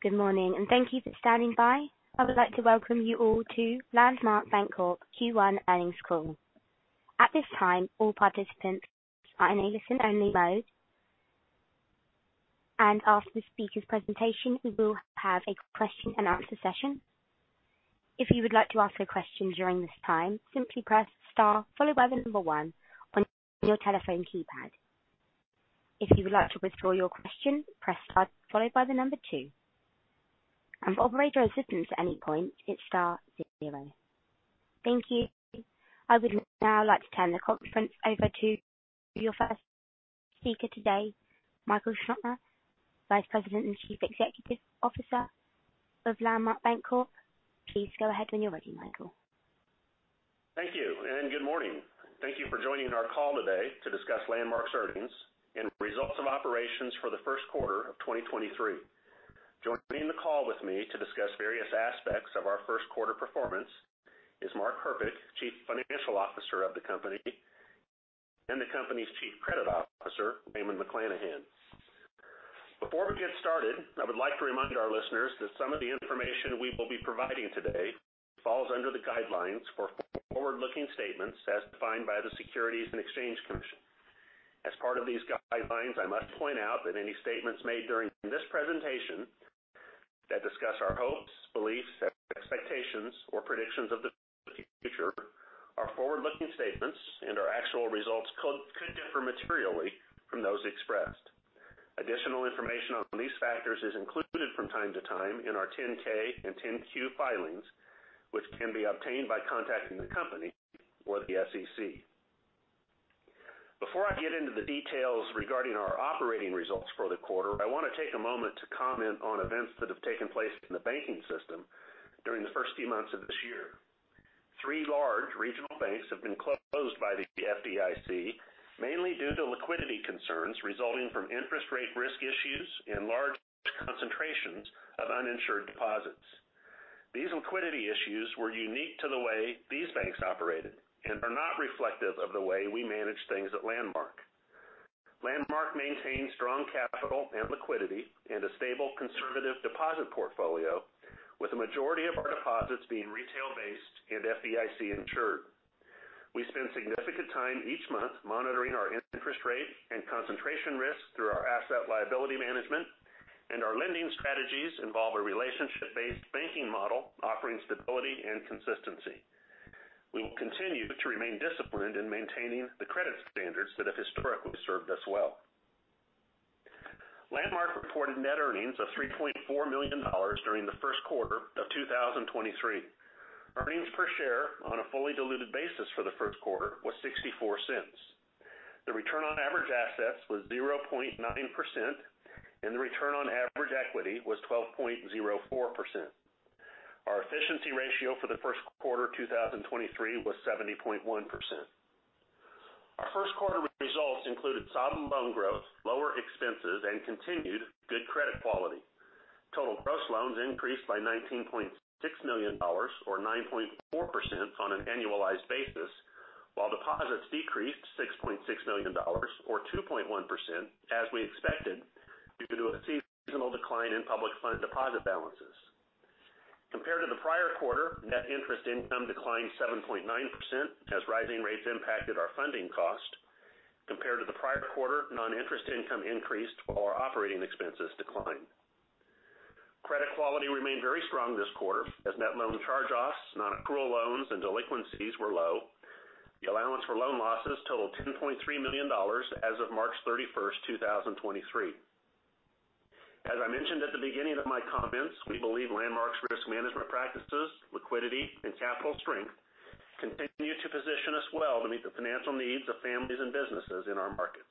Good morning, and thank you for standing by. I would like to welcome you all to Landmark Bancorp Q1 Earnings Call. At this time, all participants are in a listen-only mode. After the speaker's presentation, we will have a question-and-answer session. If you would like to ask a question during this time, simply press star followed by the number one on your telephone keypad. If you would like to withdraw your question, press star followed by the number two. For operator assistance at any point, hit star zero. Thank you. I would now like to turn the conference over to your first speaker today, Michael Scheopner, Vice President and Chief Executive Officer of Landmark Bancorp. Please go ahead when you're ready, Michael. Thank you and good morning. Thank you for joining our call today to discuss Landmark's earnings and results of operations for the first quarter of 2023. Joining the call with me to discuss various aspects of our first quarter performance is Mark Herpich, Chief Financial Officer of the company, and the company's Chief Credit Officer, Raymond McLanahan. Before we get started, I would like to remind our listeners that some of the information we will be providing today falls under the guidelines for forward-looking statements as defined by the Securities and Exchange Commission. As part of these guidelines, I must point out that any statements made during this presentation that discuss our hopes, beliefs, expectations, or predictions of the future are forward-looking statements, and our actual results could differ materially from those expressed. Additional information on these factors is included from time to time in our 10-K and 10-Q filings, which can be obtained by contacting the company or the SEC. Before I get into the details regarding our operating results for the quarter, I want to take a moment to comment on events that have taken place in the banking system during the first few months of this year. Three large regional banks have been closed by the FDIC, mainly due to liquidity concerns resulting from interest rate risk issues and large concentrations of uninsured deposits. These liquidity issues were unique to the way these banks operated and are not reflective of the way we manage things at Landmark. Landmark maintains strong capital and liquidity and a stable, conservative deposit portfolio, with the majority of our deposits being retail-based and FDIC-insured. We spend significant time each month monitoring our interest rate and concentration risk through our asset liability management, and our lending strategies involve a relationship-based banking model offering stability and consistency. We will continue to remain disciplined in maintaining the credit standards that have historically served us well. Landmark reported net earnings of $3.4 million during the first quarter of 2023. Earnings per share on a fully diluted basis for the first quarter was $0.64. The return on average assets was 0.9%, and the return on average equity was 12.04%. Our efficiency ratio for the first quarter 2023 was 70.1%. Our first quarter results included solid loan growth, lower expenses, and continued good credit quality. Total gross loans increased by $19.6 million, or 9.4% on an annualized basis, while deposits decreased $6.6 million or 2.1%, as we expected, due to a seasonal decline in public fund deposit balances. Compared to the prior quarter, net interest income declined 7.9% as rising rates impacted our funding cost. Compared to the prior quarter, non-interest income increased while our operating expenses declined. Credit quality remained very strong this quarter as net loan charge-offs, non-accrual loans, and delinquencies were low. The allowance for loan losses totaled $10.3 million as of March 31, 2023. As I mentioned at the beginning of my comments, we believe Landmark's risk management practices, liquidity, and capital strength continue to position us well to meet the financial needs of families and businesses in our markets.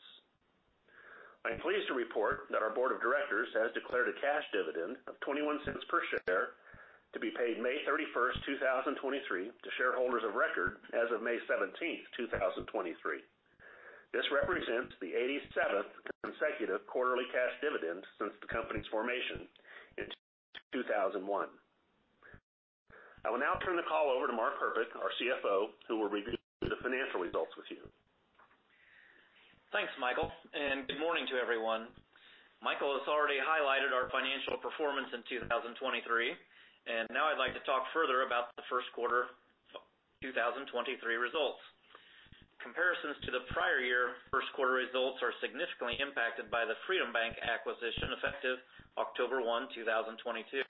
I'm pleased to report that our board of directors has declared a cash dividend of $0.21 per share to be paid May 31, 2023, to shareholders of record as of May 17, 2023. This represents the 87th consecutive quarterly cash dividend since the company's formation in 2001. I will now turn the call over to Mark Herpich, our CFO, who will review the financial results with you. Thanks, Michael, good morning to everyone. Michael has already highlighted our financial performance in 2023, and now I'd like to talk further about the first quarter 2023 results. Comparisons to the prior year first quarter results are significantly impacted by the Freedom Bank acquisition effective October 1, 2022.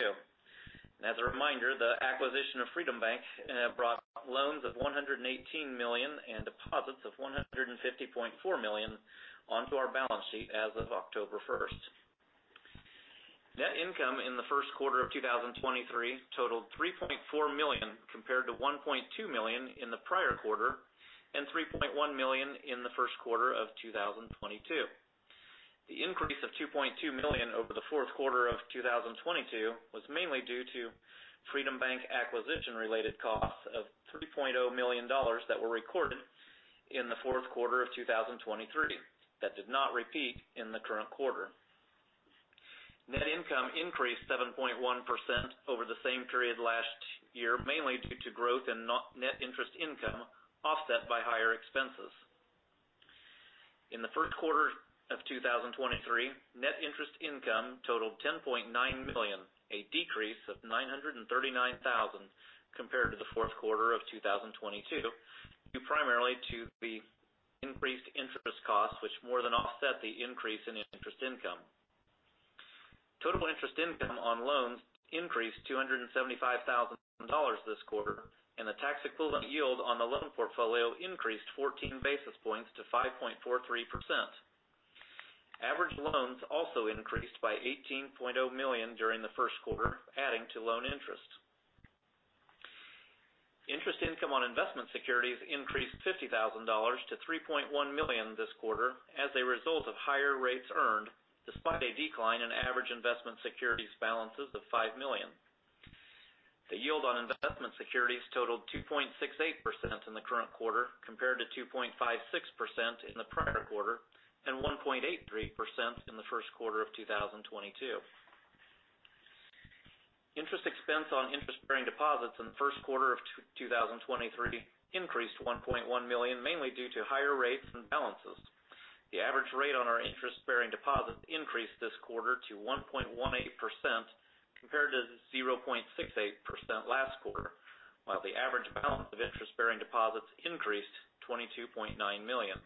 As a reminder, the acquisition of Freedom Bank brought loans of $118 million and deposits of $150.4 million onto our balance sheet as of October 1st. Net income in the first quarter of 2023 totaled $3.4 million, compared to $1.2 million in the prior quarter and $3.1 million in the first quarter of 2022. The increase of $2.2 million over the fourth quarter of 2022 was mainly due to Freedom Bank acquisition-related costs of $3.0 million that were recorded in the fourth quarter of 2023. That did not repeat in the current quarter. Net income increased 7.1% over the same period last year, mainly due to growth in net interest income, offset by higher expenses. In the first quarter of 2023, net interest income totaled $10.9 million, a decrease of $939,000 compared to the fourth quarter of 2022, due primarily to the increased interest costs, which more than offset the increase in interest income. Total interest income on loans increased $275,000 this quarter. The tax-equivalent yield on the loan portfolio increased 14 basis points to 5.43%. Average loans also increased by $18.0 million during the first quarter, adding to loan interest. Interest income on investment securities increased $50,000 to $3.1 million this quarter as a result of higher rates earned, despite a decline in average investment securities balances of $5 million. The yield on investment securities totaled 2.68% in the current quarter, compared to 2.56% in the prior quarter and 1.83% in the first quarter of 2022. Interest expense on interest-bearing deposits in the first quarter of 2023 increased to $1.1 million, mainly due to higher rates and balances. The average rate on our interest-bearing deposits increased this quarter to 1.18% compared to 0.68% last quarter, while the average balance of interest-bearing deposits increased $22.9 million.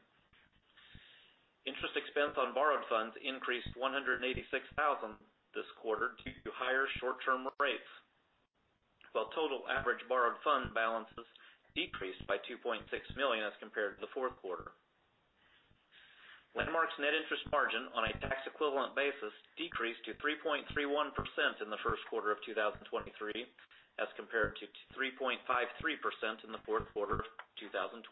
Interest expense on borrowed funds increased $186,000 this quarter due to higher short-term rates, while total average borrowed fund balances decreased by $2.6 million as compared to the fourth quarter. Landmark's net interest margin on a tax-equivalent basis decreased to 3.31% in the first quarter of 2023, as compared to 3.53% in the fourth quarter of 2022.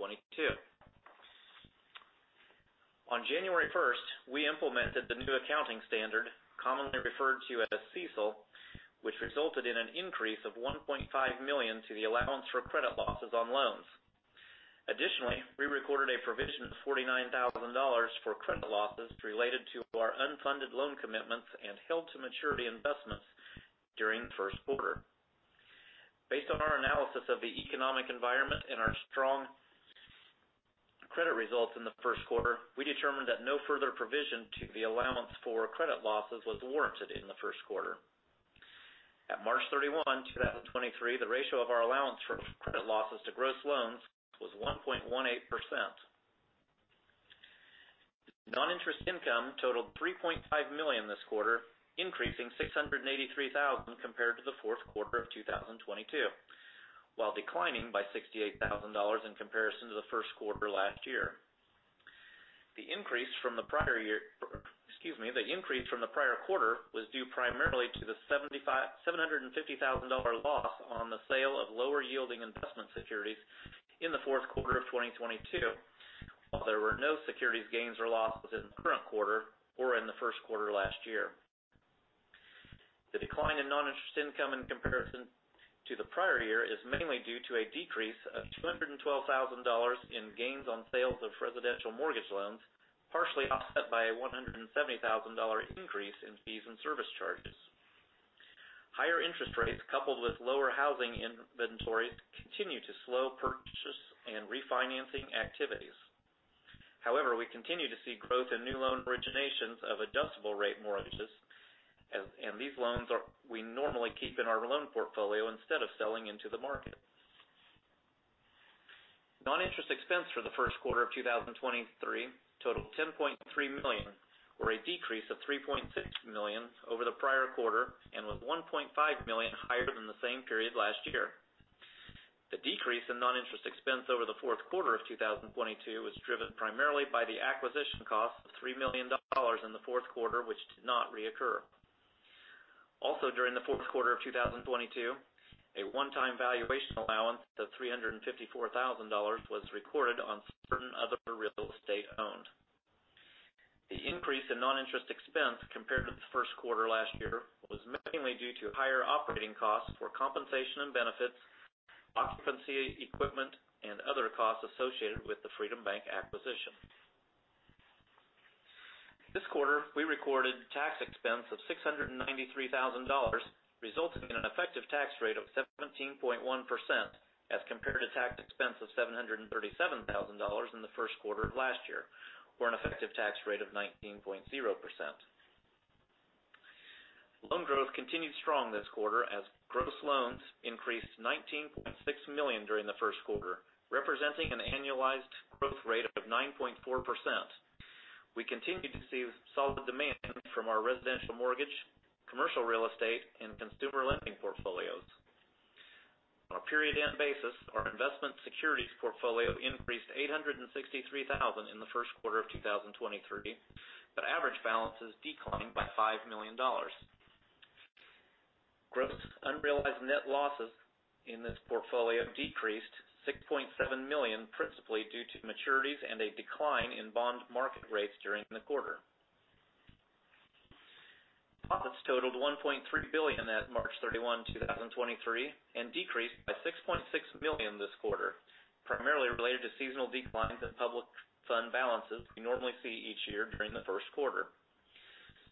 On January 1st, we implemented the new accounting standard, commonly referred to as CECL, which resulted in an increase of $1.5 million to the allowance for credit losses on loans. Additionally, we recorded a provision of $49,000 for credit losses related to our unfunded loan commitments and held to maturity investments during the first quarter. Based on our analysis of the economic environment and our strong credit results in the first quarter, we determined that no further provision to the allowance for credit losses was warranted in the first quarter. At March 31, 2023, the ratio of our allowance for credit losses to gross loans was 1.18%. Non-interest income totaled $3.5 million this quarter, increasing $683,000 compared to the fourth quarter of 2022, while declining by $68,000 in comparison to the first quarter last year. The increase from the prior year, or excuse me, the increase from the prior quarter was due primarily to the $750,000 loss on the sale of lower-yielding investment securities in the fourth quarter of 2022. While there were no securities gains or losses in the current quarter or in the first quarter last year. The decline in non-interest income in comparison to the prior year is mainly due to a decrease of $212,000 in gains on sales of residential mortgage loans, partially offset by a $170,000 increase in fees and service charges. Higher interest rates, coupled with lower housing inventory, continue to slow purchase and refinancing activities. We continue to see growth in new loan originations of adjustable-rate mortgages, and these loans we normally keep in our loan portfolio instead of selling into the market. Non-interest expense for the first quarter of 2023 totaled $10.3 million, or a decrease of $3.6 million over the prior quarter, and was $1.5 million higher than the same period last year. The decrease in non-interest expense over the fourth quarter of 2022 was driven primarily by the acquisition costs of $3 million in the fourth quarter, which did not reoccur. Also during the fourth quarter of 2022, a one-time valuation allowance of $354,000 was recorded on certain other real estate owned. The increase in non-interest expense compared to the first quarter last year was mainly due to higher operating costs for compensation and benefits, occupancy, equipment, and other costs associated with the Freedom Bank acquisition. This quarter, we recorded tax expense of $693,000, resulting in an effective tax rate of 17.1% as compared to tax expense of $737,000 in the first quarter of last year, or an effective tax rate of 19.0%. Loan growth continued strong this quarter as gross loans increased $19.6 million during the first quarter, representing an annualized growth rate of 9.4%. We continue to see solid demand from our residential mortgage, commercial real estate, and consumer lending portfolios. On a period end basis, our investment securities portfolio increased $863,000 in the first quarter of 2023, but average balances declined by $5 million. Gross unrealized net losses in this portfolio decreased $6.7 million, principally due to maturities and a decline in bond market rates during the quarter. Deposits totaled $1.3 billion as of March 31, 2023, and decreased by $6.6 million this quarter, primarily related to seasonal declines in public fund balances we normally see each year during the first quarter.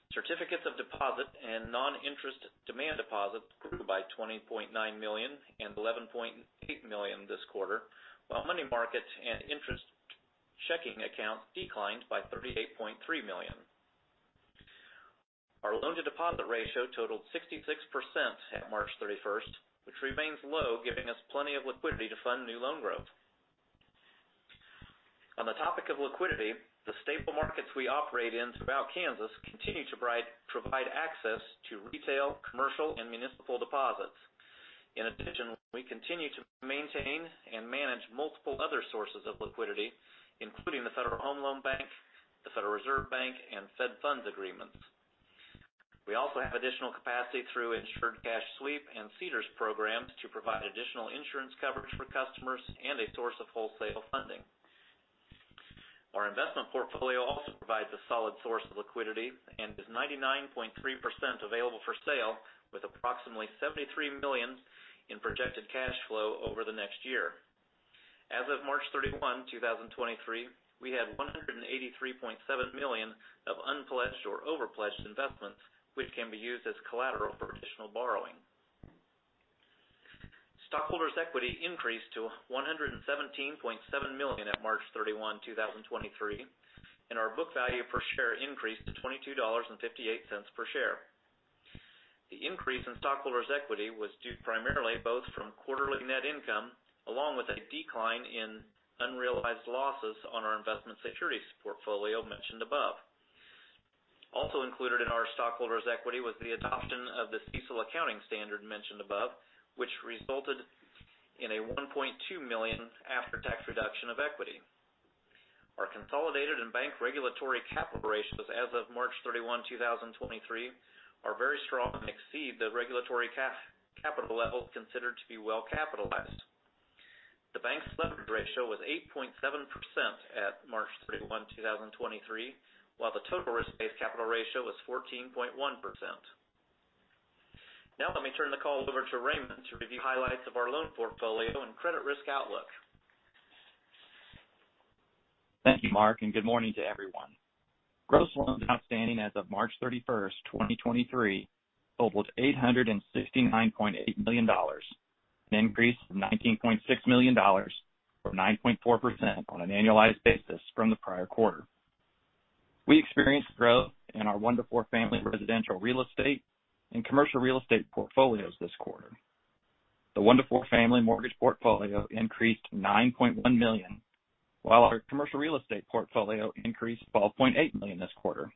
Certificates of deposit and non-interest demand deposits grew by $20.9 million and $11.8 million this quarter, while money markets and interest checking accounts declined by $38.3 million. Our loan to deposit ratio totaled 66% at March 31st, which remains low, giving us plenty of liquidity to fund new loan growth. On the topic of liquidity, the stable markets we operate in throughout Kansas continue to provide access to retail, commercial, and municipal deposits. In addition, we continue to maintain and manage multiple other sources of liquidity, including the Federal Home Loan Bank, the Federal Reserve Bank, and Fed Funds agreements. We also have additional capacity through Insured Cash Sweep and CDARS programs to provide additional insurance coverage for customers and a source of wholesale funding. Our investment portfolio also provides a solid source of liquidity and is 99.3% available for sale, with approximately $73 million in projected cash flow over the next year. As of March 31, 2023, we had $183.7 million of unpledged or over-pledged investments, which can be used as collateral for additional borrowing. Stockholders' equity increased to $117.7 million at March 31, 2023, and our book value per share increased to $22.58 per share. The increase in stockholders' equity was due primarily both from quarterly net income along with a decline in unrealized losses on our investment securities portfolio mentioned above. Also included in our stockholders' equity was the adoption of the CECL accounting standard mentioned above, which resulted in a $1.2 million after-tax reduction of equity. Our consolidated and bank regulatory capital ratios as of March 31, 2023 are very strong and exceed the regulatory capital level considered to be well capitalized. The bank's leverage ratio was 8.7% at March 31, 2023, while the total risk-based capital ratio was 14.1%. Let me turn the call over to Raymond to review highlights of our loan portfolio and credit risk outlook. Thank you, Mark, and good morning to everyone. Gross loans outstanding as of March 31st, 2023 totaled $869.8 million, an increase of $19.6 million, or 9.4% on an annualized basis from the prior quarter. We experienced growth in our one to four-family residential real estate and commercial real estate portfolios this quarter. The one to four-family mortgage portfolio increased $9.1 million, while our commercial real estate portfolio increased $12.8 million this quarter.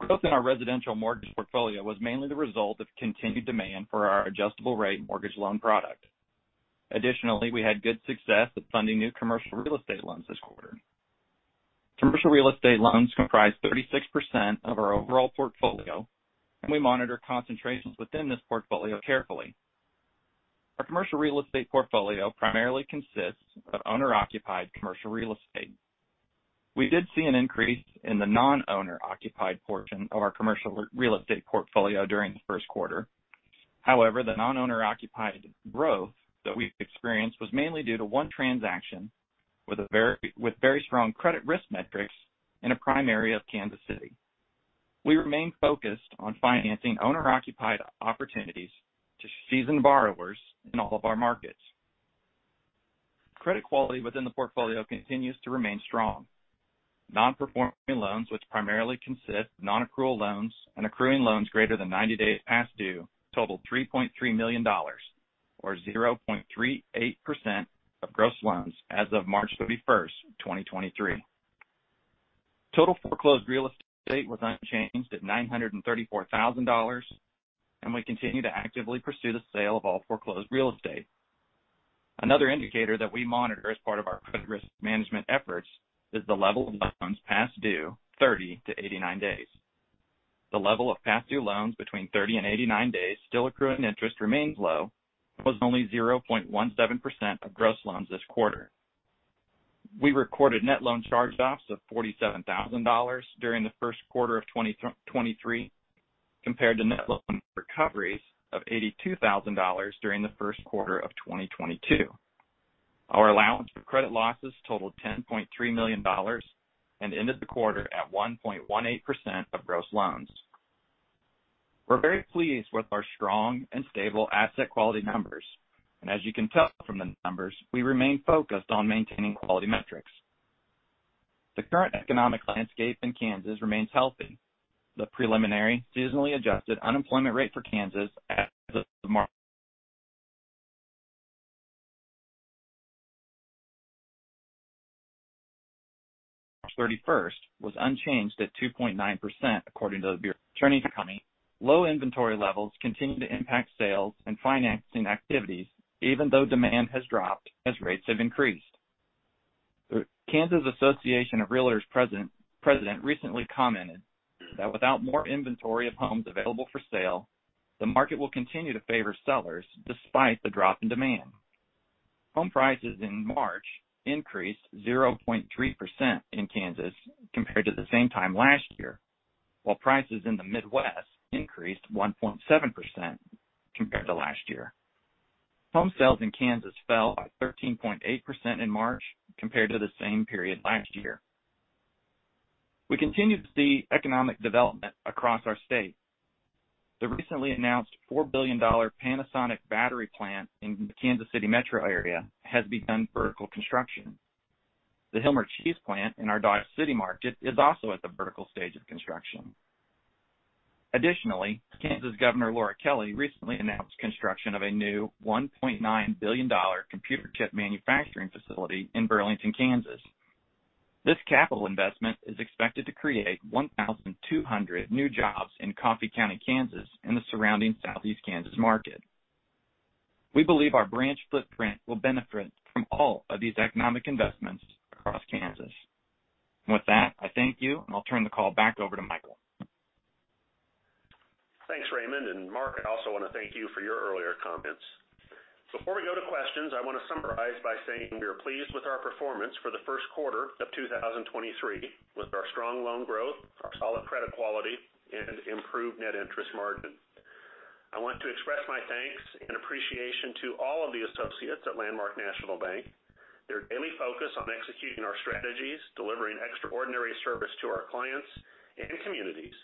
Growth in our residential mortgage portfolio was mainly the result of continued demand for our adjustable rate mortgage loan product. Additionally, we had good success with funding new commercial real estate loans this quarter. Commercial real estate loans comprise 36% of our overall portfolio, and we monitor concentrations within this portfolio carefully. Our commercial real estate portfolio primarily consists of owner-occupied commercial real estate. We did see an increase in the non-owner occupied portion of our commercial real estate portfolio during the first quarter. However, the non-owner occupied growth that we've experienced was mainly due to one transaction with very strong credit risk metrics in a prime area of Kansas City. We remain focused on financing owner-occupied opportunities to seasoned borrowers in all of our markets. Credit quality within the portfolio continues to remain strong. Non-performing loans, which primarily consist of non-accrual loans and accruing loans greater than 90 days past due, totaled $3.3 million, or 0.38% of gross loans as of March 31st, 2023. Total foreclosed real estate was unchanged at $934,000, and we continue to actively pursue the sale of all foreclosed real estate. Another indicator that we monitor as part of our credit risk management efforts is the level of loans past due 30 to 89 days. The level of past due loans between 30 and 89 days still accruing interest remains low, was only 0.17% of gross loans this quarter. We recorded net loan charge-offs of $47,000 during the first quarter of 2023, compared to net loan recoveries of $82,000 during the first quarter of 2022. Our allowance for credit losses totaled $10.3 million and ended the quarter at 1.18% of gross loans. We're very pleased with our strong and stable asset quality numbers, and as you can tell from the numbers, we remain focused on maintaining quality metrics. The current economic landscape in Kansas remains healthy. The preliminary seasonally adjusted unemployment rate for Kansas as of March 31st was unchanged at 2.9% according to the Bureau of Labor Statistics. Low inventory levels continue to impact sales and financing activities even though demand has dropped as rates have increased. The Kansas Association of Realtors president recently commented that without more inventory of homes available for sale, the market will continue to favor sellers despite the drop in demand. Home prices in March increased 0.3% in Kansas compared to the same time last year, while prices in the Midwest increased 1.7% compared to last year. Home sales in Kansas fell by 13.8% in March compared to the same period last year. We continue to see economic development across our state. The recently announced $4 billion Panasonic battery plant in the Kansas City metro area has begun vertical construction. The Hilmar Cheese plant in our Dodge City market is also at the vertical stage of construction. Kansas Governor Laura Kelly recently announced construction of a new $1.9 billion computer chip manufacturing facility in Burlington, Kansas. This capital investment is expected to create 1,200 new jobs in Coffey County, Kansas, and the surrounding Southeast Kansas market. We believe our branch footprint will benefit from all of these economic investments across Kansas. With that, I thank you, and I'll turn the call back over to Michael. Thanks, Raymond. Mark, I also want to thank you for your earlier comments. Before we go to questions, I want to summarize by saying we are pleased with our performance for the first quarter of 2023 with our strong loan growth, our solid credit quality and improved net interest margin. I want to express my thanks and appreciation to all of the associates at Landmark National Bank. Their daily focus on executing our strategies, delivering extraordinary service to our clients and communities,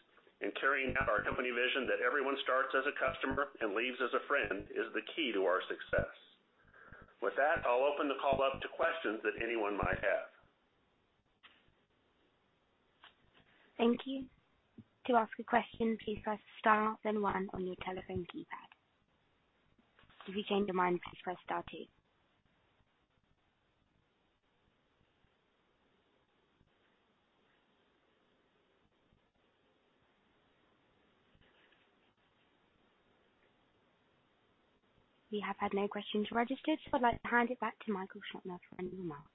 and carrying out our company vision that everyone starts as a customer and leaves as a friend is the key to our success. With that, I'll open the call up to questions that anyone might have. Thank you. To ask a question, please press star then 1 on your telephone keypad. If you change your mind, press star 2. We have had no questions registered. I'd like to hand it back to Michael Scheopner for any remarks.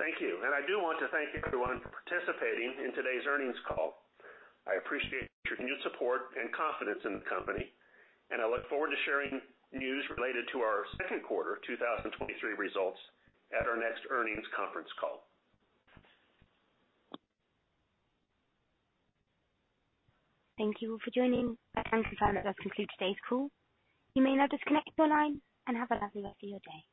Thank you. I do want to thank everyone for participating in today's earnings call. I appreciate your continued support and confidence in the company, and I look forward to sharing news related to our second quarter 2023 results at our next earnings conference call. Thank you all for joining. That concludes today's call. You may now disconnect your line and have a lovely rest of your day.